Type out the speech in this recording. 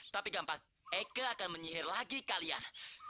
tapi gampang eka akan menyihir lagi kalian